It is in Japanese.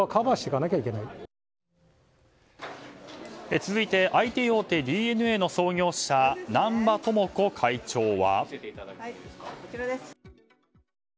続いてＩＴ大手ＤｅＮＡの創業者南場智子会長は。